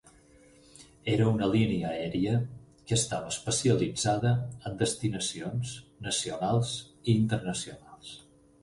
Era una línia aèria que estava especialitzada en destinacions nacionals i internacionals.